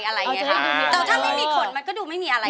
แต่ถ้าไม่มีขนมันก็ดูไม่มีอะไร